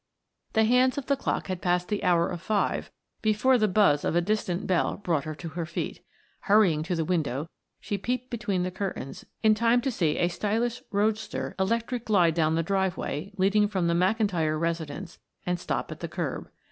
The hands of the clock had passed the hour of five before the buzz of a distant bell brought her to her feet. Hurrying to the window she peeped between the curtains in time to see a stylish roadster electric glide down the driveway leading from the McIntyre residence and stop at the curb.